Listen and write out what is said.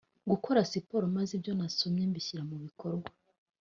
gukora siporo maze ibyo nasomye mbishyira mu bikorwa